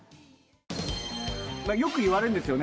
よく言われるんですよね。